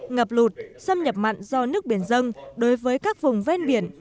ngập lụt xâm nhập mặn do nước biển dân đối với các vùng ven biển